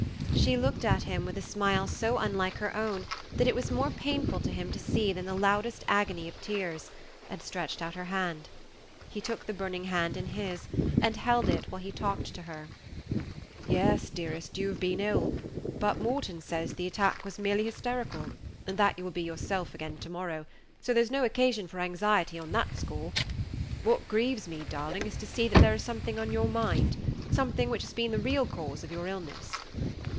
She looked at him with a smile so unlike her own that it was more painful to him to see than the loudest agony of tears, and stretched out her hand. He took the burning hand in his, and held it while he talked to her. "Yes, dearest, you have been ill; but Morton says the attack was merely hysterical, and that you will be yourself again to morrow, so there's no occasion for anxiety on that score. What grieves me, darling, is to see that there is something on your mind something which has been the real cause of your illness."